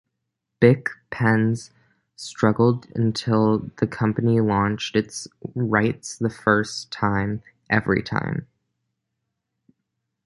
Bic pens struggled until the company launched its Writes The First Time, Every Time!